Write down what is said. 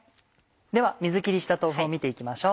では水切りした豆腐を見て行きましょう。